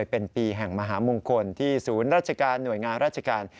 เป็นปีแห่งมหามงคลที่ศูนย์ราชการหน่วยงานราชการ